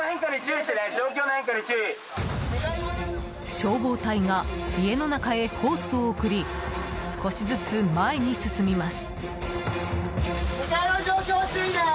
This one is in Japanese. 消防隊が家の中へホースを送り少しずつ前に進みます。